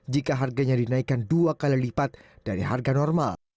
jika harganya dinaikkan dua kali lipat dari harga normal